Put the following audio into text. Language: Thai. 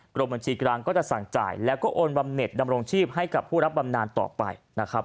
กรมบัญชีกลางก็จะสั่งจ่ายแล้วก็โอนบำเน็ตดำรงชีพให้กับผู้รับบำนานต่อไปนะครับ